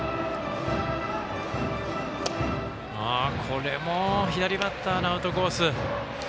今のも左バッターのアウトコース。